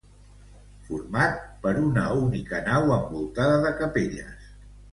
Format per una única nau envoltada de capelles.